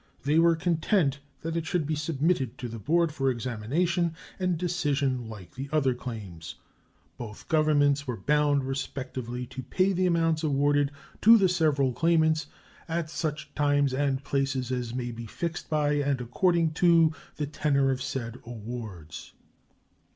They were content that it should be submitted to the board for examination and decision like the other claims. Both Governments were bound respectively to pay the amounts awarded to the several claimants "at such times and places as may be fixed by and according to the tenor of said awards."